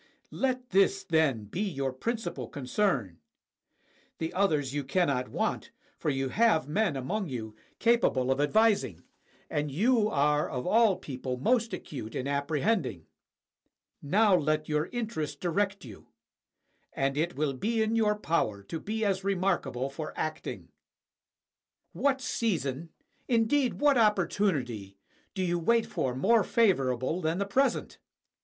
Let this, then, be your principal concern ; the others you cannot want, for you have men among you capable of advising, and you 185 GREECE are of all people most acute in apprehending. Now let your interest direct you, and it will be in your power to be as remarkable for acting. What season, indeed, what opportunity, do you wait for more favorable than the present?